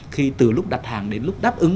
khi từ lúc đặt hàng đến lúc đáp ứng